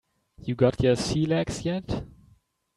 You got your sea legs yet?